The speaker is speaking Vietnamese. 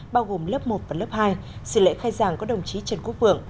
bao gồm lớp một và lớp hai sự lễ khai giảng có đồng chí trần quốc vượng